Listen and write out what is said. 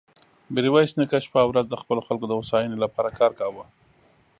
ميرويس نيکه شپه او ورځ د خپلو خلکو د هوساينې له پاره کار کاوه.